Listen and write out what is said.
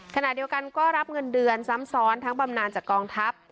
ขณะเดียวกันก็รับเงินเดือนซ้ำซ้อนทั้งบำนานจากกองทัพ